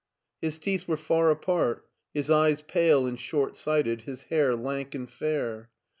His teeth were far apart, his eyes pale and short sighted, his hair lank and fair.